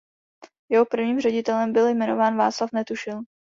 Jeho prvním ředitelem byl jmenován Václav Netušil.